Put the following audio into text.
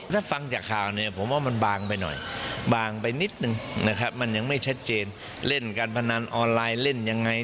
ถ้าฟังจากข่าวเนี่ยผมว่ามันบางไปหน่อยบางไปนิดนึงนะครับมันยังไม่ชัดเจนเล่นการพนันออนไลน์เล่นยังไง